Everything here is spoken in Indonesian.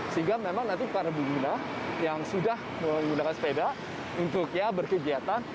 sehingga memang nanti para pengguna yang sudah menggunakan sepeda untuk ya berkegiatan